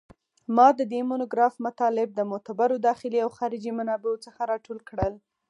ما د دې مونوګراف مطالب د معتبرو داخلي او خارجي منابعو څخه راټول کړل